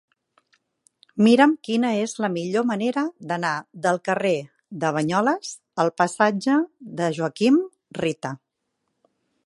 Mira'm quina és la millor manera d'anar del carrer de Banyoles al passatge de Joaquim Rita.